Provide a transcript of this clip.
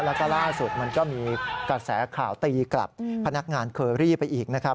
แล้วก็ล่าสุดมันก็มีกระแสข่าวตีกลับพนักงานเคอรี่ไปอีกนะครับ